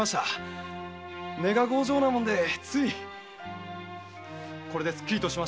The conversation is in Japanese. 根が強情なものでついこれですっきりとしました。